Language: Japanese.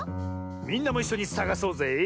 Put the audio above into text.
みんなもいっしょにさがそうぜ！